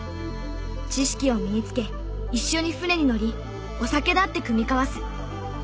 知識を身につけ一緒に船に乗りお酒だって酌み交わす。